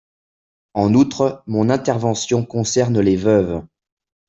En outre, mon intervention concerne les veuves.